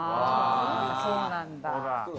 そうなんだ。